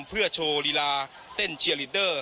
เพื่อโชว์ลีลาเต้นเชียร์ลีดเดอร์